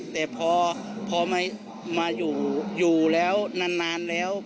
แต่พอมาอยู่แล้วนานแล้ว